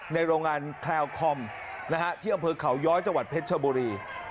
โรงงานแคลคอมที่อำเภอเขาย้อยจังหวัดเพชรชบุรี